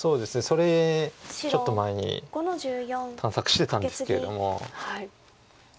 それちょっと前に探索してたんですけれども。